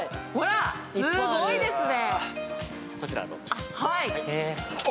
すごいですね。